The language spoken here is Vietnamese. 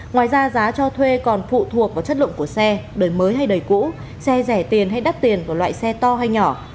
ngoài ra giá cho thuê còn phụ thuộc vào chất lượng của xe đời mới hay đời cũ xe rẻ tiền hay đắt tiền của loại xe to hay nhỏ